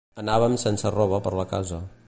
Anàvem sense roba per la casa.